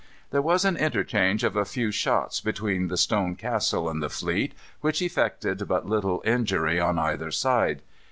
There was an interchange of a few shots between the stone castle and the fleet, which effected but little injury on either side.